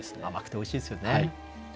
甘くておいしいですよね。